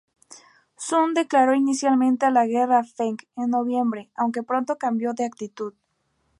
Sun declaró inicialmente la guerra a Feng en noviembre, aunque pronto cambió de actitud.